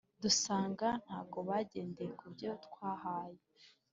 dusanga ntago bagendeye kubyo twa bahaye